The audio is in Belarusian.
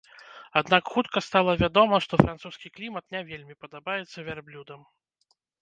Аднак хутка стала вядома, што французскі клімат не вельмі падабаецца вярблюдам.